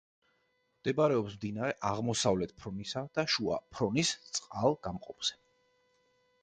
მდებარეობს მდინარე აღმოსავლეთის ფრონისა და შუა ფრონის წყალგამყოფზე.